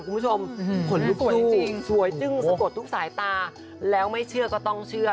ขนรูปสู้สวยจึ้งสะโกรธทุกสายตาแล้วไม่เชื่อก็ต้องเชื่อ